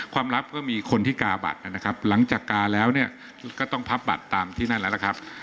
ลับก็มีคนที่กาบัตรนะครับหลังจากกาแล้วเนี่ยก็ต้องพับบัตรตามที่นั่นแล้วล่ะครับ